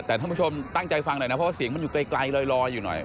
แต่ท่านผู้ชมตั้งใจฟังหน่อยนะเพราะว่าเสียงมันอยู่ไกลลอยอยู่หน่อย